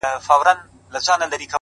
هره پرېکړه نوی مسیر جوړوي؛